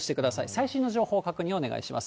最新の情報、確認をお願いします。